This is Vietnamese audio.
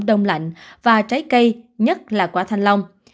đông lạnh và trái cây nhất là quả thanh long